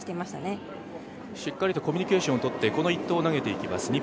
しっかりとコミュニケーションをとって、この１投を投げていきます。